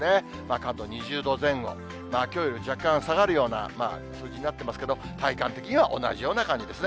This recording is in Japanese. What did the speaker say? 関東２０度前後、きょうより若干下がるような数字になってますけど、体感的には同じような感じですね。